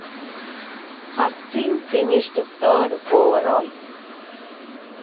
Her team finished third overall.